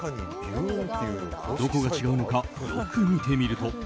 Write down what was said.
どこが違うのかよく見てみると。